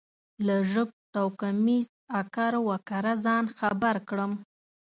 له ژبتوکمیز اکر و کره ځان خبر کړم.